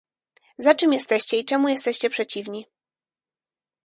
Za czym jesteście i czemu jesteście przeciwni?